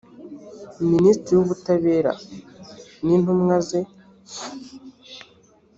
minisitiri w’ubutabera n’intumwa ze